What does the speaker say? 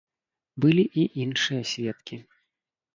Былі і іншыя сведкі.